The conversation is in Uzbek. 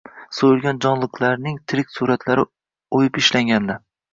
So’yilgan jonliqlarnng tirik suratlari o’yib ishlangandi.